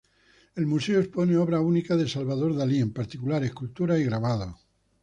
El museo expone obras únicas de Salvador Dalí, en particular esculturas y grabados.